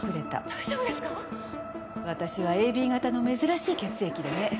（十私はＡＢ型の珍しい血液でね。